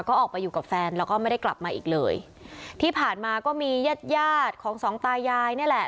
ก็ออกไปอยู่กับแฟนแล้วก็ไม่ได้กลับมาอีกเลยที่ผ่านมาก็มีญาติญาติของสองตายายนี่แหละ